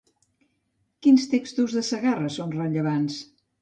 Quins textos de Segarra són rellevants?